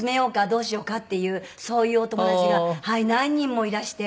どうしようか？っていうそういうお友達が何人もいらして。